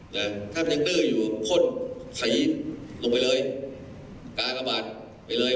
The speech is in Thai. เนี่ยถ้าเป็นเต็กเตอร์อยู่กับคนขายลงไปเลยการระบาดไปเลย